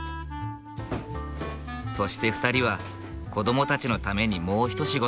そして２人は子どもたちのためにもう一仕事。